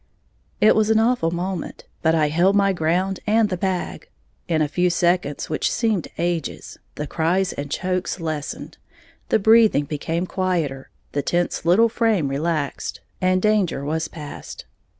It was an awful moment; but I held my ground and the bag. In a few seconds, which seemed ages, the cries and chokes lessened, the breathing became quieter, the tense little frame relaxed, and danger was past.